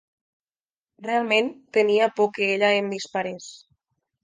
Realment tenia por que ella em disparés.